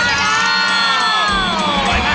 อร่อยค่ะ